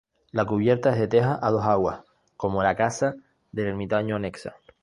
La cubierta es de teja a dos aguas, como la casa del ermitaño anexa.